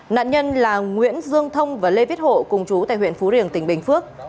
nạn nhân là nguyễn dương thông và lê viết hộ cùng chú tại huyện phú riềng tỉnh bình phước